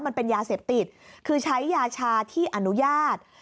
มันเป็นยาเสพติดคือใช้ยาชาที่อนุญาต